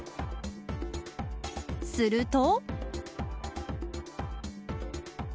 すると。